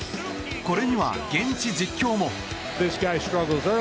これには現地実況も。